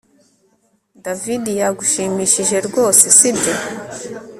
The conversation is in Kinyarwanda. David yagushimishije rwose sibyo